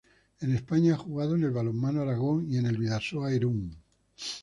En España, ha jugado en el Balonmano Aragón y en el Bidasoa Irún.